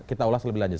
kita ulas lebih lanjut